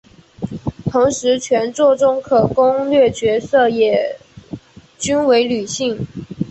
同时全作中的可攻略角色也均为女性。